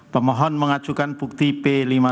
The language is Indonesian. pemohon mengajukan bukti b lima puluh delapan